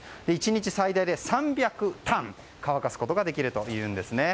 １日最大で３００反乾かすことができるということです。